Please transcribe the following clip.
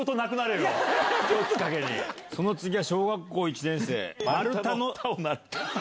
その次は「小学一年生」。